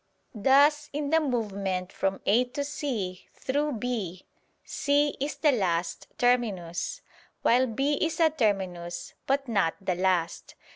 Thus in the movement from A to C through B, C is the last terminus, while B is a terminus, but not the last.